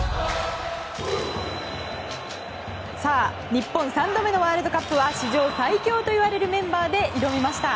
日本３度目のワールドカップは史上最強といわれるメンバーで挑みました。